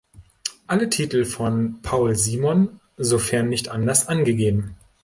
Alle Titel von Paul Simon, sofern nicht anders angegeben